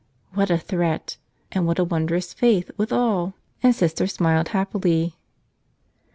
What a threat! And what a wondrous faith withal!" And Sister smiled happily.